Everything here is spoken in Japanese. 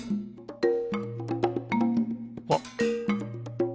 あっ！